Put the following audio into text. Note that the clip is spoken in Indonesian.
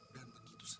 terima kasih bu